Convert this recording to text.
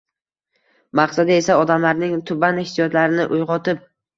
Maqsadi esa — odamlarning tuban hissiyotlarini uyg‘otib